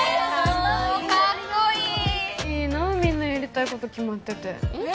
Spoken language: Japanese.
おカッコいいいいなみんなやりたいこと決まっててえっ？